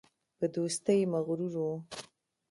په دوستۍ مغرور وو.